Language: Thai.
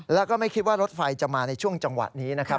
แล้วก็ไม่คิดว่ารถไฟจะมาในช่วงจังหวะนี้นะครับ